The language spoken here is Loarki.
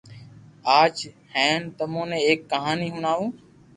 آج ھين تمو ني ايڪ ڪہاني ھڻاوو